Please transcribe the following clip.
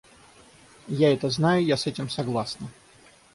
Я это знаю, я с этим согласна.